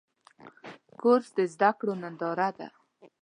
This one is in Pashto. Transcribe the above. کورس د زده کړو ننداره ده.